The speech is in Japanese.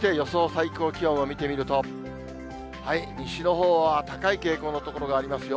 最高気温を見てみると、西のほうは高い傾向の所がありますよ。